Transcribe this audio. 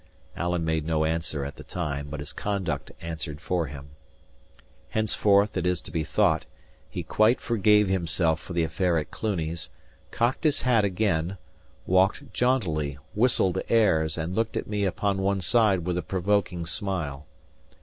Alan made no answer at the time, but his conduct answered for him. Henceforth, it is to be thought, he quite forgave himself for the affair at Cluny's; cocked his hat again, walked jauntily, whistled airs, and looked at me upon one side with a provoking smile.